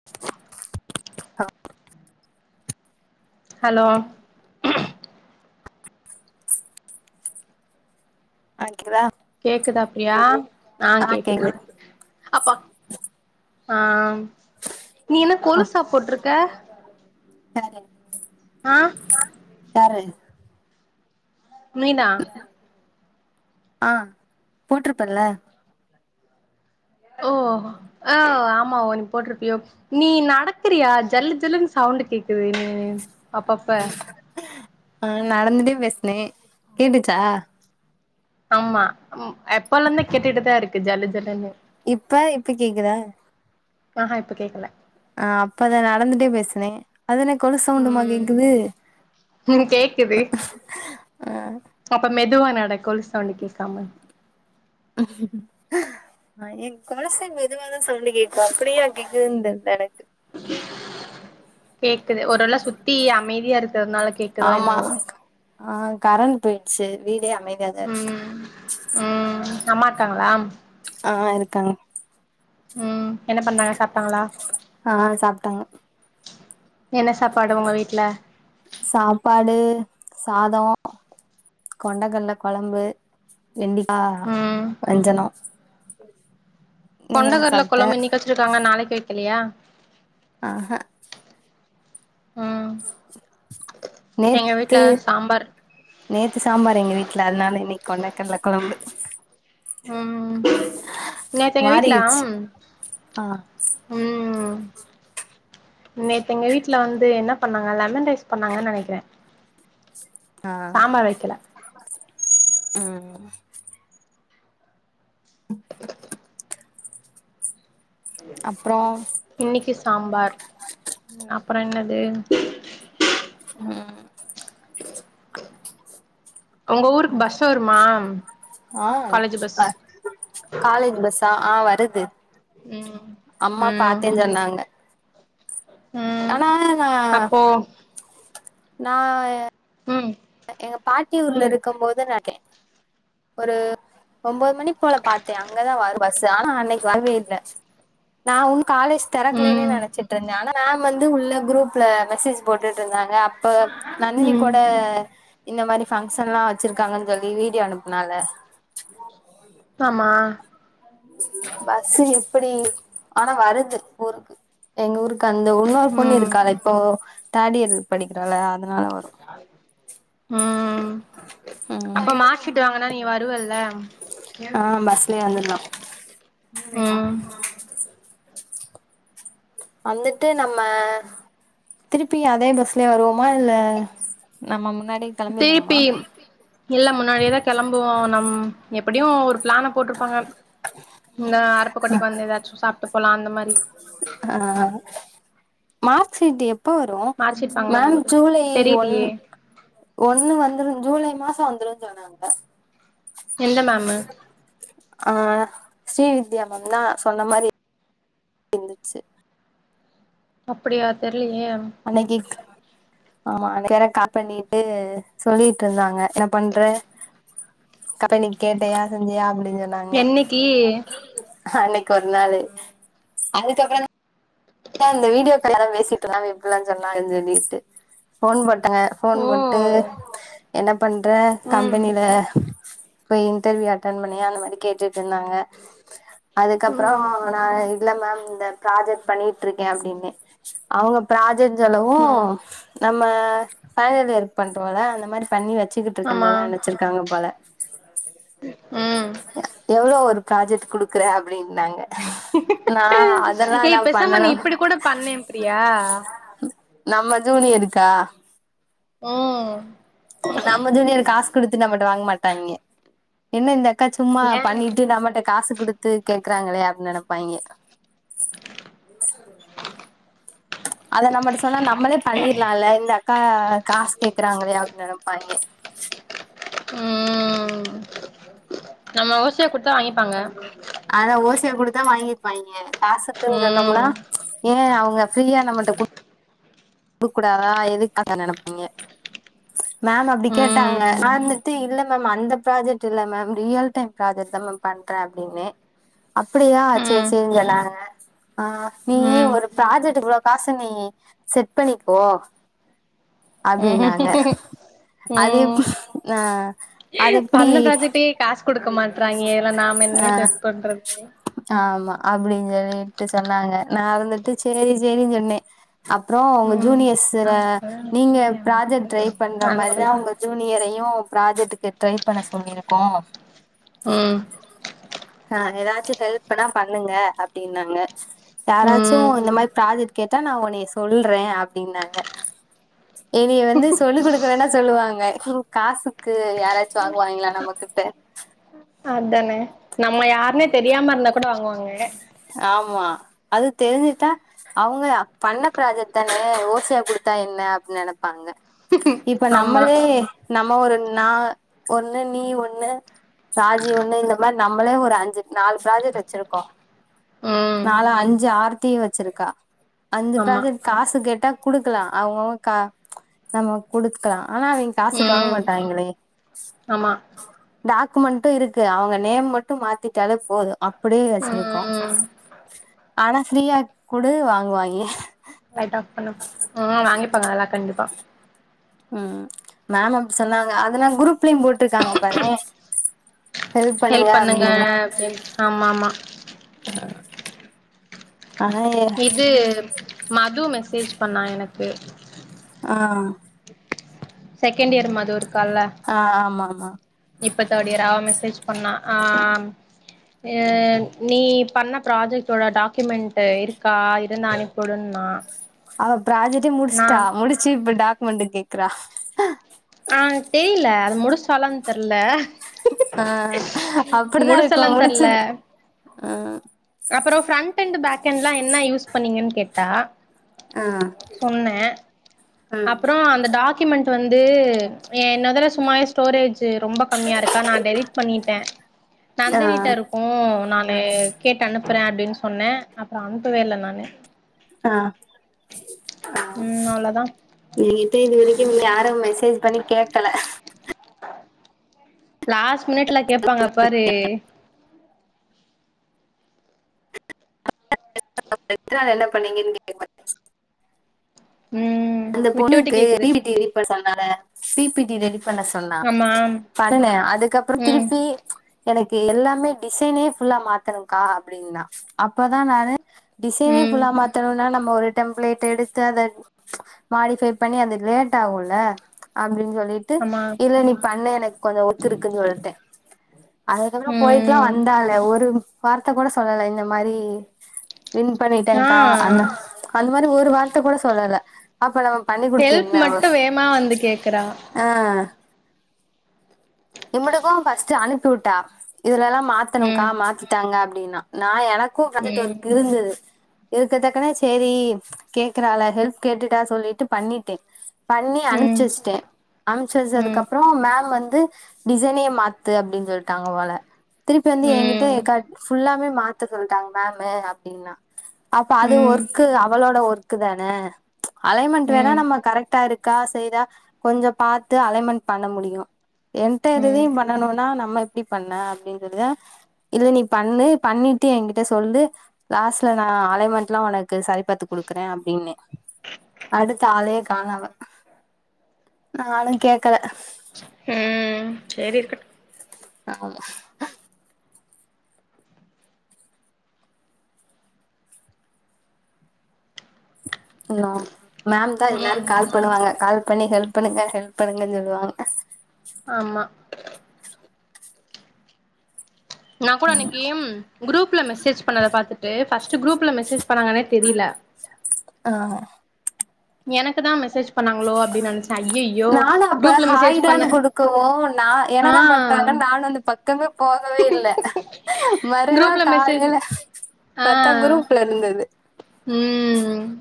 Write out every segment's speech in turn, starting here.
[inaudible] hello [inaudible] கேக்குதா பிரியா ஆ கேக்குது அப்பாக் ஆ நீ என்ன அப் கொலுசா போட்ருக்க யாரு ஆ யாரு நீந்தா அ போட்டுருப்பன்ல ஓ ஆ ஆமா ஓ நீ போட்ருப்பியோ நீ நடக்குறியா ஜல்லு ஜல்லுன்னு சவுண்ட் கேக்குது நீ அப்பப்ப ஆ நடந்துட்டே பேசுனே கேட்டுச்சா ஆமா ம் எப்பல்லந்தே கேட்டுட்டுதா இருக்கு ஜல்லு ஜல்லுன்னு இப்ப இப்ப கேக்குதா ஆஹா இப்ப கேக்கல ஆ அப்பத நடந்துட்டே பேசுனே அதென்ன கொலு சவுண்டுமா ம் கேக்குது ம் ஆ பாப்பா மெதுவா நட கொலு சவுண்டு கேட்காம அ எ கொலுசே மெதுவாதா சவுண்டு கேக்கு அப்படியா கேக்குதுன் தெர்ல எனக்கு கேக்குது ஒரு வேள சுத்தி அமைதியா இருக்குறதுனால கேக்குதோ ஆமா என்னவோ ஆ கரண்ட் போயிடுச்சு வீடே அமே தியாதா இக்கு ம் ம் அம்மா இருக்காங்களா ஆ இருக்காங்க ம் என்ன பண்ணாங்க சாப்டாங்களா ஆ சாப்ட்டாங்க என்ன சாப்பாடு ஒங்க வீட்ல சாப்பாடு சாதோ கொண்டக்கல்ல கொழம்பு வெண்டிக்கா ம் வஞ்சனம் கொண்டகட்ல கொழம்பு இன்னிக்கு வெச்சிருக்காங்க நாளைக்கு வைக்கலையா ஆஹ ம் எங்க நேத்து வீட்ல சாம்பார் நேத்து சாம்பார் எங்க வீட்ல அதனால இன்னைக்கு கொண்டகல்ல கொழம்பு ம் நேத்தெங்க வீட்லம் மாறிருச்சு ஆ ம் நேத்து எங்க வீட்ல வந்து என்ன பண்ணாங்க லெமன் ரைஸ் பண்ணாங்கன் நெனைக்கிறேன் ஆ வைக்கல ம் அப்றோ இன்னிக்கு சாம்பார் அப்பறொ என்னது ம் ஒங்க ஊருக்கு பஸ் வருமா ஆ காலேஜு பஸ் அ காலேஜ் பஸ்ஸா ஆ வருது ம் அம்மா ம் பாத்தேன்ஞ் சொன்னாங்க ம் ஆனா நா அப்போ நா ம் எங்க பாட்டி ஊர்ல இருக்கம் போது நா கே ஒரு ஒம்போது மணி போல பாத்தேன் அங்கதா வரும் பஸ்ஸு ஆனா அன்னைக்கு வரவே இல்ல நா உன் காலேஜ் திறக்கலன்னே ம் நெனைச்சிட்ருந்தேன் ஆனா மேம் வந்து உள்ள குரூப்ல மெசேஜ் போட்டுட்டு இருந்தாங்க அப்ப நந்தினி ம் கூட இந்த மாரி ஃபங்க்ஷன்லா வச்சிருக்காங்கன்னு சொல்லி வீடியோ அனுப்புனால ஆமா பஸ்ஸு எப்புடி ஆனா வருது ஊருக்கு எங்க ஊருக்கு அந்த உன்னோரு பொண்ணு ம் இருக்காளே இப்போ தேர்ட் இயர் படிக்கிறால அதனால வரு ம் ம் அப்ப மார்க் சீட் வாங்கனா நீ வருவல்ல ஆ பஸ்லேயே வந்துர்லா ம் வந்துட்டு நம்ம திருப்பி அதே பஸ்லயே வருவோமா இல்ல நம்ம முன்னாடி டீப்பீம் இல்ல முன்னாடியேதா கெளம்புவோம் நம் எப்படியும் ஒரு பிளான போட்டுருப்பாங்க இந்த அறுப்பு கோட்டைக்கு வந்து ஏதாச்சு சாப்ட்டு போலாம் அந்த மாரி ஆ மார்க்ஸீட் எப் ப்ப வரு மார்க்ஷீட் வாங்க வரும்போது தெரிலியே ஒண்ணு வந்துரு ஜூலை மாசம் வந்துருன் சொன்னாங்க எந்த மேம்மு ஆ ஸ்ரீவித்யா மேம் தா சொன்ன மாரி இருந்துச்சு அப்படியா தெர்லயே அன்னைக்குக் ஆமா அதுக்கு வேற கால் பண்ணிட்டு சொல்லிட்ருந்தாங்க என்ன பண்ற அப்ப நீ கேட்டயா செஞ்சயா அப்டின் சொல் டாங்க என்னைக்கி அன்னைக்கு ஒரு நாளு அதுக்கப்புறொதா ஏ இந்த வீடியோகாக தா பேசிட்டு இருந்தா இப்டியெல்லா சொன்னாகன்னு சொல்லிட்டு ஃபோன் போட்டங்க ஃபோன் ஓ போட்டு என்ன பண்ற ம் கம்பெனில போய் இன்டர்வியூ அட்டன் பண்ணிய அந்த மாதிரி கேட்டுட்டு இருந்தாங்க அதுக்கப்புறோ ம் நா இல்ல மேம் இந்த ப்ராஜெக்ட் பண்ணிட்டு இருக்கே அப்படின்னே அவங்க ப்ராஜெக்ட் சொல்லவு ம் நம்ம பைனல் இயர் பண்றோம்ல அந்த மாதிரி பண்ணி வச்சி சிக்கிட்டு இர்க்கே ஆமா போல நினைச்சிருக்காங்க போல ம் எவ்ளோ ஒரு ப்ராஜெக்ட் குடுக்குற அப்படின்னாங்க நா அதெல்லா நா ஏய் பெசாம நீ பண்ணலா மேம் இப்டி கூட பண்ணே பிரியா நம்ம ஜூனியருக்கா ம் நம்ம ஜூனியர் காசு குடுத்துட்டு நம்மட்ட வாங்க மாட்டாங்கே என்ன இந்த அக்கா சும்மா ஏன் பண்ணிட்டு நம்மட்ட காசு குடுத்து கேக்குறாங்களே அப்படின்னு நினைப்பாங்க [inaudible] அத நம்ம சொன்னா நம்மளே பண்ணிடலாம்ல இந்த அக்கா காசு கேக்குறாங்களே அப்படின்னு நினைப்பாங்க ம் நம்ம ஓசியா கொடுத்தா வாங்கிப்பாங்க அதா ஓசியா கொடுத்தா வாங்கிப்பாங்க காசுக்குன்னு சொன்னோம்னா ம் ஏன் அவங்க ஃப்ரீயா நம்மகிட்ட புக் கூடாதா எதுக் அந்த நினப்பீங்க மேம் அப்படி கேட்டாங்க ம் நா வந்துட்டு இல்ல மேம் அந்த ப்ராஜெக்ட் இல்ல மேம் ரியல் டைம் ப்ராஜெக்ட் தான் மேம் பண்றேன் அப்படின்னு அப்படியா செரி ம் செரி சொன்னாங்க ஆ நீ ம் ஒரு ப்ராஜெக்ட்க்கு இவ்வளவு காசு நீ இப்போ நீ போ அப்படின்னாங்க அது ம் எப்போ னா பண்ண ப்ராஜெக்டே காசு கொடுக்க மாட்டறாங்க இதுல நாம ஆ என்னையு செட் பண்றது ஆமா அப்படின்னு சொல்லிட்டு சொன்னாங்க நா வந்துட்டு சரி சரின்னு சொன்னே அப்புறோ அவங்க ம் ஜூனியர்ஸ்ற நீங்க ப்ராஜெக்ட் டரை பண்ற மாதிரிதா உங்க ஜூனியரையு ப்ராஜெக்டக்கு ட்ரை பண்ண சொல்லிருக்கோ ம் ஆ ஏதாச்சு ஹெல்ப்னா பண்ணுங்க அப்படின்னாங்க யாராச்சு ம் இந்த மாதிரி ப்ராஜெக்ட் கேட்டா நா உனைய சொல்றே அப்படின்னாங்க என்னிய வந்து சொல்லிகொடுக்க வேணா சொல்லுவாங்க காசுக்கு யாராச்சு வாங்குவாய்ங்களா நம்மகிட்ட அதானே நம்ம யாருனே தெரியாம இருந்தா கூட வாங்குவாங்க ஆமா அது தெரிஞ்சுட்டா அவங்க பண்ண பராஜக்ட் தானே ஓசையா குடுத்தா என்ன அப்படின்னு நினைப்பாங்க இப்ப ஆமா நம்மளே நம்ம ஒரு நா ஒண்ணு நீ ஒண்ணு சாஜி ஒண்ணு இந்த மாதிரி நம்மளே ஒரு அஞ்சு நாலு ப்ராஜெக்ட் வச்சிருக்கோ ம் நாலு அஞ்சு ஆர்த்தி வச்சிருக்கா அஞ்சு ஆமா ப்ராஜெக்ட் காசு கேட்டா கொடுக்கலா அவங்க அவங்க கா நம்ம கொடுக்கலா ஆனா அவங்க காசுக்கு வாங்க ம் மாட்டாய்ங்களே ஆமா டாக்குமெண்டு இருக்கு அவங்க நேம் மட்டு மாத்திட்டாலே போது அப்படியே வச்சிரு ம் ஆனா ஃப்ரீயா குடு வாங்குவாய்ங்க ம் வாங்கிப்பாங்க அதால கண்டிப்பா ம் மேம் அப்படி சொன்னாங்க அதனா குரூப்லயு போட்டிருக்காங்க பார்றே ஹெல்ப் பண்ணுங்க அப்படின்னு அப்டின் ஆமா ஆமா ஆ அகாங்க இது மது மெசேஜ் பண்ணா எனக்கு ஆ செகண்ட் இயர் மது இருக்கால ஆ ஆமா ஆமா இப்ப தேடியர் அவ மெசேஜ் பண்ணா ஆ அ நீ பண்ண ப்ராஜெக்ட்டோட டாக்குமெண்ட் இருக்கா இருந்தா அனுப் வுடுண்ணா அவ ப்ராஜட்ட முடிச்சுட்டா முடிச்சு இப்ப டாக்குமெண்ட் கேக்குறா ஆ தெரியல அது முடிச்டாலான் தெர்ல ஆ அப்டிதா இருக்கு முடிச்சலான் முடிச் ம் அப்பற ஃப்ரண்ட் அண்ட் பேக் அண்ட் எலா என்ன யூஸ் பண்ணீங்கன் கேட்டா ஆ சொன்ன ம் அப்பற அந்த டாக்குமெண்ட் வந்து என்னதல சும்மாவே ஸ்டோரேஜ் ரொம்பக் கம்மியா இருக்கா நா டெலிட் பண்ணிட்ட ஆ நந்தினிட்ட இருக் உ நானு கேட்டு அனுப்புற அப்டின் சொன்ன அப்புற அனுப்புவே இல்ல நானு ஆ ம் அவ்ளோதா என்ட இதுவரைக்கு யாரு மெசே மேசேஜ் பண்ணி கேக்கல லாஸ்ட் மினிட்ல கேப்பாங்க பாரு [unintelligible] என்ன பண்ணீங்கன் கேள் ம் அந்த விட்டு விட்டு பொண்ணுக்கு கேக்குது பிபிடி ரெடி பண்ண சொன்ன பிபிடி ரெடி பண்ண சொன்னா ஆமா பண்ண அதுக்கப்பற ம் திருப்பி எனக்கு எல்லாமே டிசைனே ஃபுல்லா மாத்தணுகா அப்படினா அப்ப தா நானு டிசைனே ம் ஃபுல்லா மாத்தணுனா நம்ம ஒரு டெம்ப்ளேட் எடுத்து அத மாடிஃபை பண்ணி அது லேட் ஆகுல அப்டின் சொல்லிட்டு ஆமா இல்ல நீ பண்ணு எனக் கொஞ்ச ஒர்க் இருக்குன் சொல்லிட்ட அதுக்கப்பற போயட்டுல்லா ம் வந்தால ஒரு வார்த்த கூட சொல்லல இந்த மாரி வின் ஆ பண்ணிட்டகா அண்ண அந்த மாரி ஒரு வார்த்த கூட சொல்லல அப்ப நம்ம பண்ணி குடுத்து ஹெல்ப் என்ன அவ மட்டு வேமா வந்து கேக்குறா ஆ இவளுக்கு ஃபர்ஸ்ட் அனுப்பி விட்டா இதுல எல்லா மாத்தணுகா ம் மாத்திதாங்க அப்படின்னா நா எனக் போ பத்துட்டு ம் ஒருக்கு இருந்தது இருக்க தக்குன சேரி கேக்குறால ஹெல்ப் கேட்டுட்டா சொல்லிட்டு பண்ணிட்டே பண்ணி ம் அனுப்ச்சு வச்சிட்டே அனுப்ச்சு வச்சதுக்கு ம் அப்புற மேம் வந்து டிசைனே மாத்து அப்டின் சொல்லிட்டாங்க போல திருப்பி வந்து எ கிட்ட ம் எக்கா ஃபுல்லாமே மாத்த சொல்டாங்க மேமு அப்டினா அப்ப அது ம் ஒர்க்கு அவளோட ஒர்க் க்கு தான அலைன்மெண்ட் வேணா ம் நம்ம கரெக்டா இருக்கா செய்ரா கொஞ்ச பாத்து அலைன்மென்ட் பண்ண முடியு ம் என்ட்டயிரதையு பண் னனுனா நம்ம எப்படி பண்ண அப்டின் சொல்லி தா இல்ல நீ பண்ணு பண்ணிட்டு என்கிட்ட சொல்லு லாஸ்ட்ல நா அலைமெண்ட் எலா உனக்கு சரிபாத்து குடுக்குறே அப்டின்னே அடுத்த ஆளையே காண அவ நானு கேக்கல ம் சரி இருக்கட்டு ஆமா ஹலோ மேம் தா எல்லாருக்கு ம் கால் பண்ணுவாங்க கால் பண்ணி ஹெல்ப் பண்ணுங்க ஹெல்ப் பண்ணுங்கன்னு சொல்லுவாங்க ஆமா நா கூட அன்னைக்கி குரூப்பி மெசேஜ் பண்ணத பாத்துட்டு ஃபஸ்ட்டு குரூப்ல மெசேஜ் பண்ணாங்கன்னே தெரியல ஆ எனக்கு தா மெசேஜ் பண்ணாங்களோ அப்டின்னு நெனச்சே ஐயையோ நானு அப்ப குரூப்ல மெசேஜ் ஹாயலா பண்ண கொடுக்கவு நா ஆ என்னதா பண்டாங்கன்னு நானு வந்து பக்கமே போகவே இல்ல குரூப்ல மறுநாள் மெசேஜ் காலைல பத்தா குரூப்ல இருந்தது உ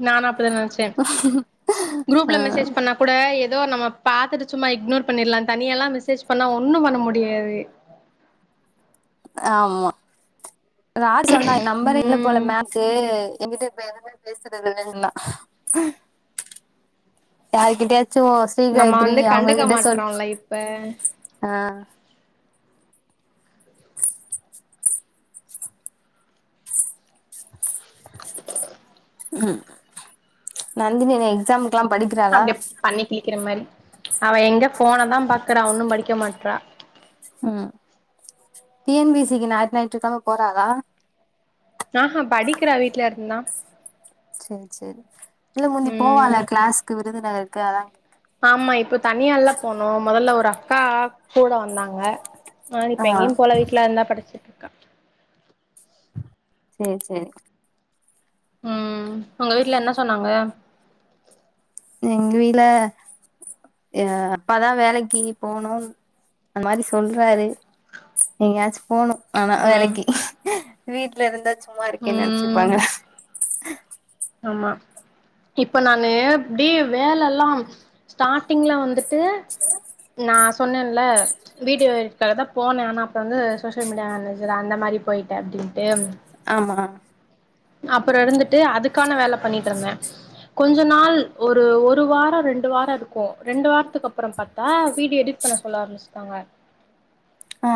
நானு அப்பத நினைச்சே ம்ம் உஹ ப்ல மெசேஜ் பண்ணா கூட ஏதோ நம்ம பாத்துட்டு சும்மா இக்னோர் பண்ணிடலா தனியெல்லா மெசேஜ் பண்ணா ஒன்னு பண்ண முடியாது ஆமா யார் சொன்னா நம்பரே இல்ல போல ம் மேக்கு என்கிட்ட இப்ப எதுவுமே பேசுறது இல்ல ன்னா யார் கிட்டயாச்சு நம்ம சீகாயத்தி வந்து அவுங்க கண்டுக்க கிட்ட சொல் மாட்றோம்ல இப்ப ஆ உ நந்தினி எக்ஸாமுக்கு லா படிக்கிறாளா அப்டியே பண்ணி கிளிக்கிற மாதிரி அவ எங்க போனைதா பாக்குறா ஒன்னு படிக்க மாட்றா உ டிஎன்பிசிக்கு ஞாற் ஞாட்டு கெழம போறாலா ஆஹஹா படிக்கிறவீட்ல இருந்து தா சேரி சேரி இல்ல முந்தி ம் போவல கிளாஸ்க்கு விருதுனகருக்கு அத ஆமா இப்ப தனியா ல போனு முதல்ல ஒரு அக்கா கூட வந்தாங்க ஆ இப்ப எங்கயு போல வீட்டுல இருந்து படிச்சிட்டு இருக்கா சேரி சேரி உ உங்க வீட்ல என்ன சொன்னாங்க எங்க வீட்ல எங்க அப்பாதா வேலைக்கு போனு அந்த மாதிரி சொல்றாரு எங்கயாச்சு போணு ஆனா ம் வேலைக்கு வீட்ல இருந்தா சும்மா இருக்கேன்னு ம் நினைச்சுப்பாங்க ஆமா இப்ப நானு ப்டி வேலல்லா ஸ்டாட்டிங்ல வந்துட்டு நா சொன்னேல்ல வீடியோ தா போனே ஆனா அப்றோ வந்து சோசியல் மீடியா மேனேஜர் அந்த மாதிரி போயிட்ட அப்டின்ட்டு ஆமா அப்றோ இருந்துட்டு அதுக்கான வேலை பண்ணிட்டு இருந்தே கொஞ்ச நாள் ஒரு ஒரு வாரோ ரெண்டு வாரோ இருக்கும ரெண்டு வாரத்துக்கு அப்றோ பாத்தா வீடியோ எடி னை சொல்ல ஆரம்பிச்சுட்டாங்க ஆ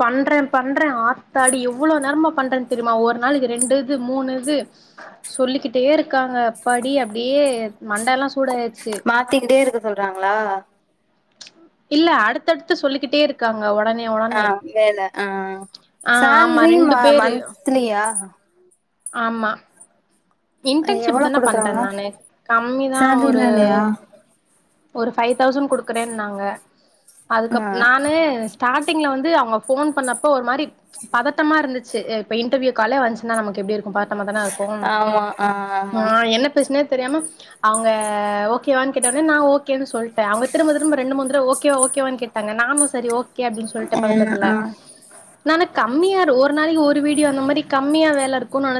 பண்றே பண்றே ஆத்தாடி எவ்வளவு நேரோ பண்றேன்னு தெரியுமா ஒரு நாளைக்கு ரெண்டு மூணுது இது சொல்லிகிட்டே இருக்காங்க படி அப்டியே மண்டல்லாம் சூடு ஆயிடுச்சு மாத்திகிட்டே இருக்க சொல்றாங்களா இல்ல அடுத்தடுத்து சொல்லிக்கிட்டே இருக்காங்க உடனே ஆ உடனே வேல ஆ ஆ ஆமா சேல்ரி ம ரெண்டு பேரு மந்த்லியா ஆமா இன்டர்ன்ஷிப் எவ்ளோ தானே பண்றே குடுக்குறாங்க நானு கம்மிதா ஒரு சேல்ரிலா இல்லையா ஒரு ஃபைவ் தௌஸண்ட் குடுக்குறேனாங்க ஆ அதுக்கப் நானு ஸ்டாடிங்ல வந்து அவுங்க ஃபோன் பண்ணப்ப ஒரு மாரி பதட்டமா இருந்ச்சு அ இப்ப இன்டர்வியூ காலே வந்ச்சுனா நமக்கு எப்டி இருக்கு பதட்டமா தான இரு ஆமா ஆ ஆ ஆமா என்ன பேசுனே தெரியாம அவங்க ஓகேவானு கேட்டோனே நா ஓகேனு சொல்ட்டே அவங்க திரும்ப திரும்ப ரெண்டு மூணு தடவ ஓகேவா ஓகேவானு கேட் டாங்க நானு சரி ஓகே அப்டின் ஆ சொல்ட்டே பதட்டத்துல ஆ நானு கம்மியா ஒரு நாளக்கி ஒரு வீடியோ அந்த மாரி கம்மியா வேல இருக்குன் நெனச்